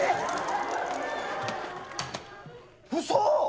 うそ？